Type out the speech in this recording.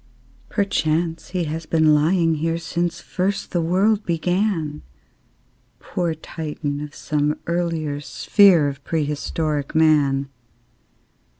Perchance he has been lying here Since first the world began, Poor Titan of some earlier sphere Of prehistoric Man!